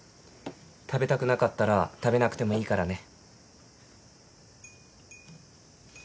食べたくなかったら食べなくてもいいからね。